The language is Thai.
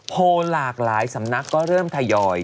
โพลหลากหลายสำนักก็เริ่มทยอย